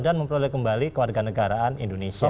dan memperoleh kembali keluarga negaraan indonesia